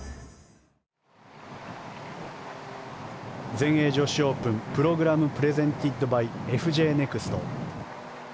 全英女子オープンＰｒｏｇｒａｍｐｒｅｓｅｎｔｅｄｂｙＦＪネクスト。